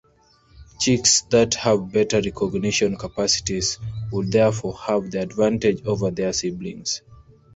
Chicks that have better recognition capacities would therefore have the advantage over their siblings.